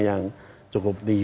yang cukup tinggi